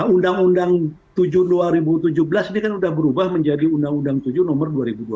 undang undang tujuh dua ribu tujuh belas ini kan sudah berubah menjadi undang undang tujuh nomor dua ribu dua puluh